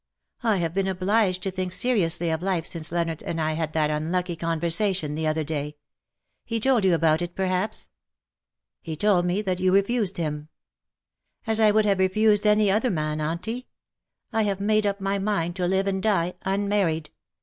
I have been obliged to think seriously of life since Leonard and I had that unlucky conversation the other day He told you about it, perhaps ?''," He told me that you refused him.'' " As I would have refused any other man, Auntie. LOVES YOU AS OF OLD." 99 I have made up my mind to live and die unmarried.